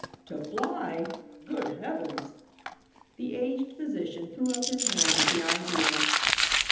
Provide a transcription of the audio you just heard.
"To fly! Good heavens!" The aged physician threw up his hands at the idea.